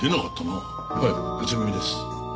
はい初耳です。